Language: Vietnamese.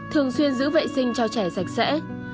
thường xuyên giữ vệ sinh cho trẻ sạch sẽ